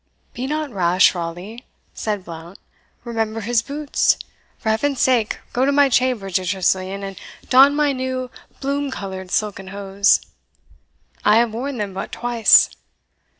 "Be not rash, Raleigh," said Blount, "remember his boots. For Heaven's sake, go to my chamber, dear Tressilian, and don my new bloom coloured silken hose; I have worn them but twice."